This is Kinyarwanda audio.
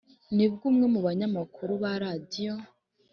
nibwo umwe mu banyamakuru ba radiyo